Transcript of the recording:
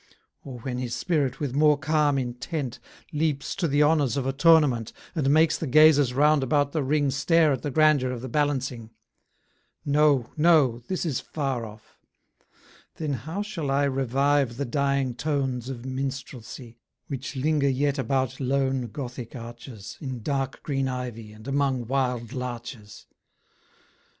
Or when his spirit, with more calm intent, Leaps to the honors of a tournament, And makes the gazers round about the ring Stare at the grandeur of the balancing? No, no! this is far off: then how shall I Revive the dying tones of minstrelsy, Which linger yet about lone gothic arches, In dark green ivy, and among wild larches?